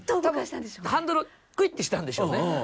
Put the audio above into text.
ハンドルクイッてしたんでしょうね。